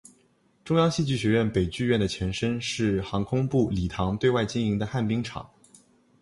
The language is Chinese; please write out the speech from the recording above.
中央戏剧学院北剧场的前身是航空部礼堂对外经营的旱冰场。